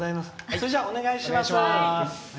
それじゃあ、お願いします。